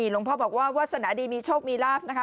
หลวงพ่อบอกว่าวาสนาดีมีโชคมีลาบนะคะ